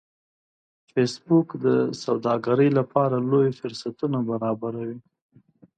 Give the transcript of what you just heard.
فېسبوک د سوداګرۍ لپاره لوی فرصتونه برابروي